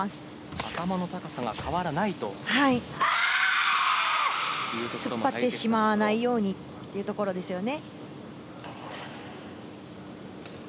頭の高さが変わらないと。ということも、突っ張ってしまわないようにというところですね。